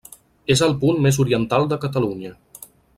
És el punt més oriental de Catalunya.